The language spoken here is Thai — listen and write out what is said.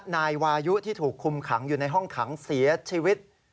นายวายุที่ถูกคุมขังอยู่ในห้องขังเสียชีวิต